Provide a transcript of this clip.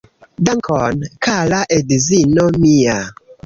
Dankon kara edzino mia